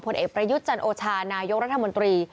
ผลเอกประยุทธ์จันโอชานายกรัฐมนตรี